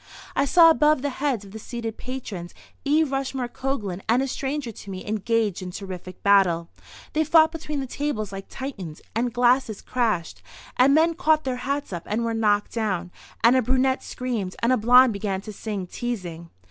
I saw above the heads of the seated patrons E. Rushmore Coglan and a stranger to me engaged in terrific battle. They fought between the tables like Titans, and glasses crashed, and men caught their hats up and were knocked down, and a brunette screamed, and a blonde began to sing "Teasing."